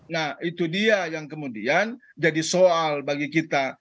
nah itu dia yang kemudian jadi soal bagi kita